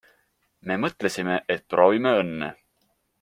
Me mõtlesime, et proovime õnne.